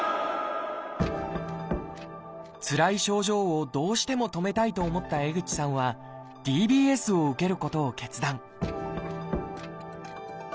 つらい症状をどうしても止めたいと思った江口さんはＤＢＳを受けることを決断